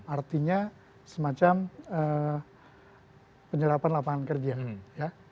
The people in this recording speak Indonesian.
artinya semacam penyerapan lapangan kerja ya